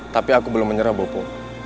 tapi aku belum menyerah buku